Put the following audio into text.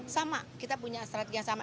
sama kita punya strategi yang sama